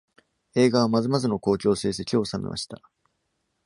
映画はまずまずの興行成績を収めました。